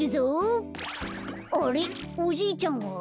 あれっおじいちゃんは？